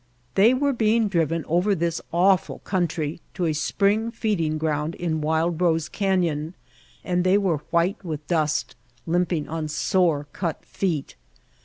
They were being driven over this awful country to a spring feeding ground in Wild Rose Canyon, and they were white with dust, limping on sore, cut feet.